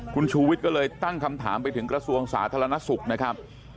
คุณชูวิทย์ก็เลยตั้งคำถามไปถึงกระทรวงสาธารณสุขนะครับ